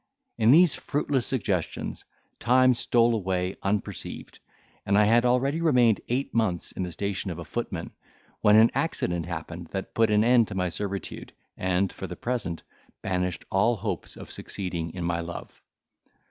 In these fruitless suggestions time stole away unperceived, and I had already remained eight months in the station of a footman, when an accident happened that put an end to my servitude, and, for the present, banished all hopes of succeeding in my love.